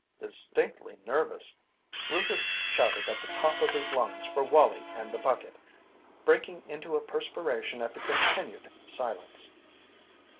Distinctly nervous, Rufus shouted at the top of his lungs for Wallie and the bucket, breaking into a perspiration at the continued silence.